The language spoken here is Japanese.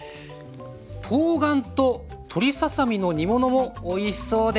とうがんと鶏ささ身の煮物もおいしそうです。